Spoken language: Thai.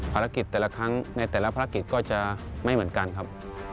ภารกิจแต่ละครั้งในแต่ละภารกิจก็จะไม่เหมือนกันครับ